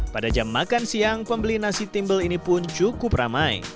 pada jam makan siang pembeli nasi timbul ini pun cukup ramai